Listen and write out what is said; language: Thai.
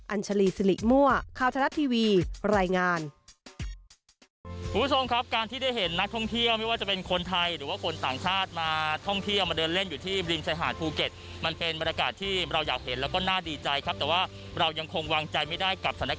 ัญชาลีสิริมั่วข่าวทะลัดทีวีรายงาน